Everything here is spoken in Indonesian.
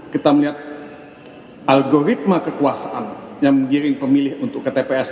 kita melihat algoritma kekuasaan yang menggiring pemilih untuk ke tps